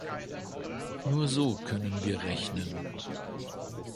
Nur so können wir rechnen.